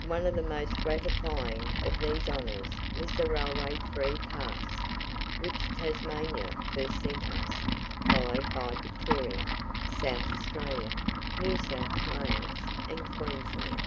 One of the most gratifying of these honours was the railway free pass, which Tasmania first sent us, followed by Victoria, South Australia, New South Wales, and Queensland.